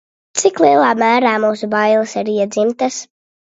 Cik lielā mērā mūsu bailes ir iedzimtas?